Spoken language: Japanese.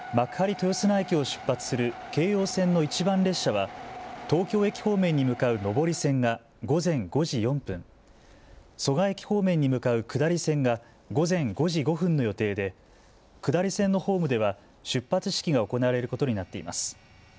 豊砂駅を出発する京葉線の一番列車は東京駅方面に向かう上り線が午前５時４分、蘇我駅方面に向かう下り線が午前５時５分の予定で下り線のホームでは出発式が行われることになっています。